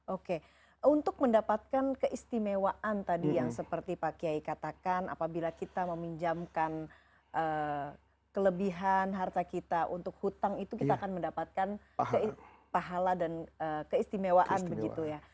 oke untuk mendapatkan keistimewaan tadi yang seperti pak kiai katakan apabila kita meminjamkan kelebihan harta kita untuk hutang itu kita akan mendapatkan pahala dan keistimewaan begitu ya